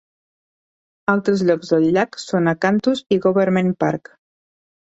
Altres llocs del llac són Acanthus i Government Park.